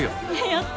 やった！